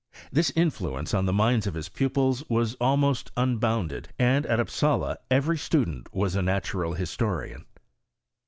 This influence on the minds of his pupils was almost unbounded ; and at Upsala, every student was a natural historian.